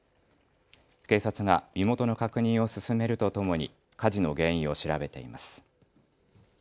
警察が身元の確認を進めるとともに火事の原因を調べています。